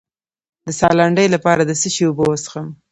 د ساه لنډۍ لپاره د څه شي اوبه وڅښم؟